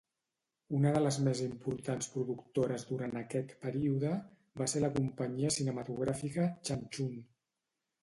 Una de les més importants productores durant aquest període va ser la companyia cinematogràfica Changchun.